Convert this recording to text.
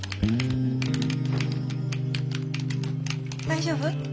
大丈夫？